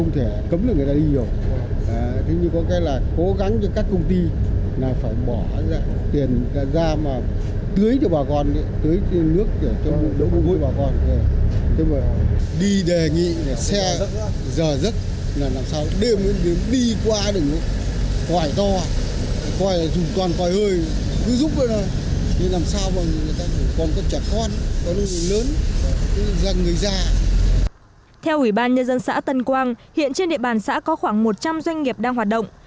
theo ủy ban nhân dân xã tân quang hiện trên địa bàn xã có khoảng một trăm linh doanh nghiệp đang hoạt động